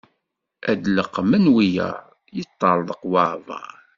Ad d-leqqmen wiyaḍ, yeṭerḍeq waɛbaṛ.